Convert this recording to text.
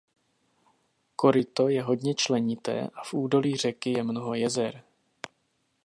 Koryto je hodně členité a v údolí řeky je mnoho jezer.